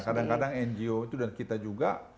kadang kadang ngo itu dan kita juga